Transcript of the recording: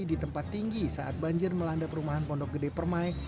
di tempat tinggi saat banjir melanda perumahan pondok gede permai